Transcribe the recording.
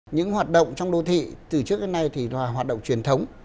những hoạt động trong đô thị từ trước đến nay thì là hoạt động truyền thống